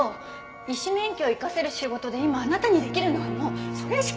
医師免許を生かせる仕事で今あなたに出来るのはもうそれしか。